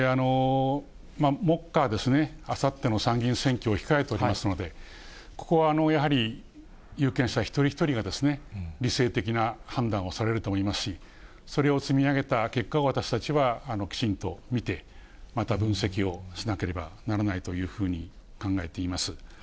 目下、あさっての参議院選挙を控えておりますので、ここはやはり、有権者一人一人が理性的な判断をされると思いますし、それを積み上げた結果を私たちはきちんと見て、また分析をしなければならないというふうに考えています。